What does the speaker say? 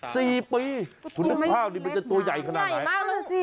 สี่ปีคุณภาพนี่มันจะตัวใหญ่ขนาดไหนใหญ่มากเลยสิ